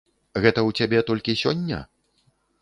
Гэта ў цябе толькі сёння?